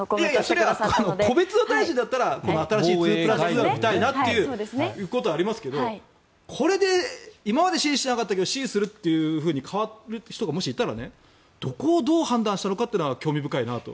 それは個別の大臣だったら新しい２プラス２が見たいなというのはありますけどこれで今まで支持していなかったけど支持すると変わる人がもし、いたらどこをどう判断したのかというのは興味深いなと。